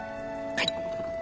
はい。